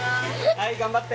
はーい頑張って。